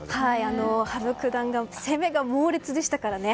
羽生九段の攻めが猛烈でしたからね。